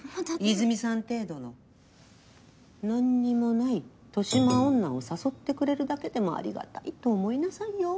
いづみさん程度の何にもない年増女を誘ってくれるだけでもありがたいと思いなさいよ。